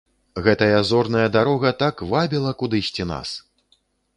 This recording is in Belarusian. Гэтая зорная дарога так вабіла кудысьці нас!